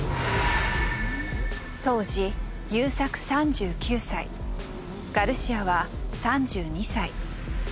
当時優作３９歳ガルシアは３２歳。